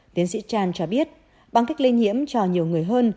tiến sĩ chan cho biết bằng cách lây nhiễm cho nhiều người hơn